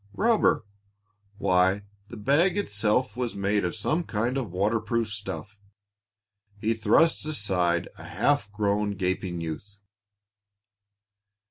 Rubber! Why, the bag itself was made of some kind of waterproof stuff. He thrust aside a half grown, gaping youth.